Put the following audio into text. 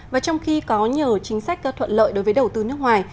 và trong khi có nhiều chính sách thuận lợi đối với đầu tư nước ngoài